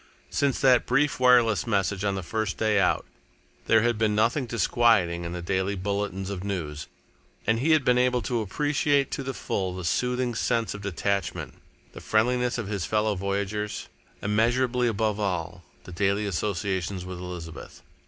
Since that brief wireless message on the first day out, there had been nothing disquieting in the daily bulletins of news, and he had been able to appreciate to the full the soothing sense of detachment, the friendliness of his fellow voyagers, immeasurably above all the daily association with Elizabeth.